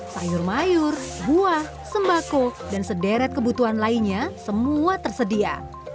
sayur mayur buah sembako dan sederet kebutuhan lainnya semua tersedia